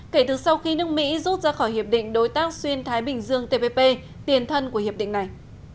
kể từ sau khi nước mỹ rút ra khỏi hiệp định đối tác xuyên thái bình dương tpp tiền thân của hiệp định này